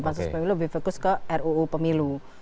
pansus pemilu lebih fokus ke ruu pemilu